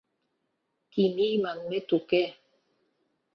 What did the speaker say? Кимий манмет уке.